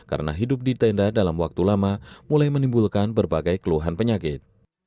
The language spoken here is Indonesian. karena hidup di tenda dalam waktu lama mulai menimbulkan berbagai keluhan penyakit